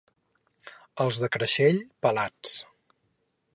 Els de Creixell, pelats.